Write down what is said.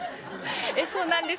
そうなんです。